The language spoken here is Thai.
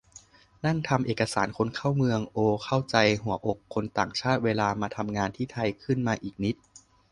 นั่งทำเอกสารคนเข้าเมือง โอ เข้าใจหัวอกคนต่างชาติเวลามาทำงานที่ไทยขึ้นมาอีกนิด